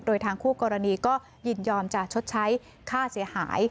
โดยทางคู่กรณีก็ยินยอมจะชดใช้ค่าเสียหาย